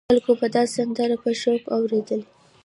خلکو به دا سندرې په شوق اورېدلې.